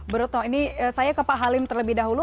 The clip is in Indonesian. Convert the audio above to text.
berhutno ini saya ke pak halim terlebih dahulu